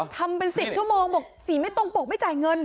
ทำเป็น๑๐ชั่วโมงบอกสีไม่ตรงปกไม่จ่ายเงิน